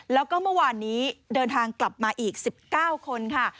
แล้วก็เมื่อวานนี้เดินทางกลับมาอีก๑๙คนค่ะ